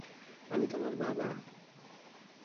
আমি তোমার বাবা।